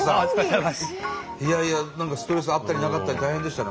いやいや何かストレスあったりなかったり大変でしたね